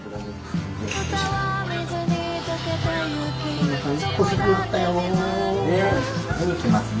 こんな感じ。